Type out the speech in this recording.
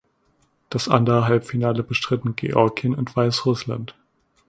Das andere Halbfinale bestritten Georgien und Weißrussland.